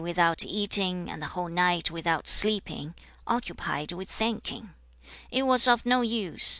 without eating, and the whole night without sleeping: occupied with thinking. It was of no use.